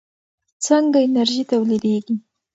څنګه انرژي تولیدېږي؟